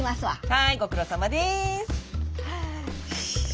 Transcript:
はいご苦労さまです。